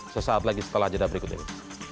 sesaat lagi setelah jeda berikut ini